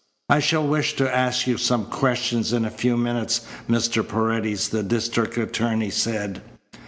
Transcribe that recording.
"I shall wish to ask you some questions in a few minutes, Mr. Paredes," the district attorney said.